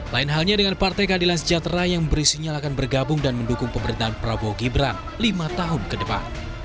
lain halnya dengan partai keadilan sejahtera yang berisinya akan bergabung dan mendukung pemerintahan prabowo gibran lima tahun ke depan